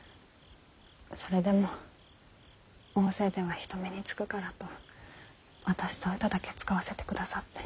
それでも大勢では人目につくからと私とうただけ遣わせてくださって。